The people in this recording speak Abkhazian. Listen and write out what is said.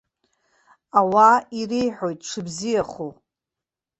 Ауаа иреиҳәоит дшыбзиахәу.